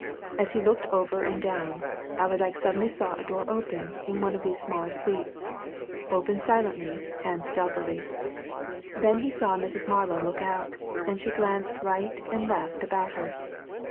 As he looked over and down, Allerdyke suddenly saw a door open in one of these smaller suites open silently and stealthily. Then he saw Mrs. Marlow look out, and she glanced right and left about her.